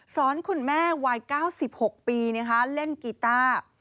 สอนคุณแม่วาย๙๖ปีเล่นกีตาร์